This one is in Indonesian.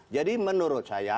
jadi menurut saya